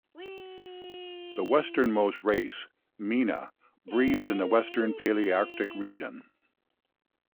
The westernmost race, "meena", breeds in the Western Palearctic region.